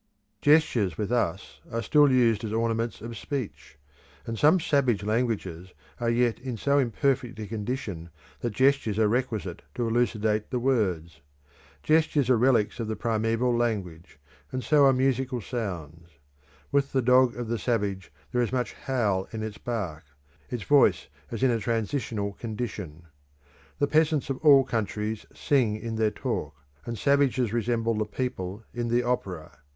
Gestures with us are still used as ornaments of speech, and some savage languages are yet in so imperfect a condition that gestures are requisite to elucidate the words. Gestures are relics of the primeval language, and so are musical sounds. With the dog of the savage there is much howl in its bark: its voice is in a transitional condition. The peasants of all countries sing in their talk, and savages resemble the people in the opera.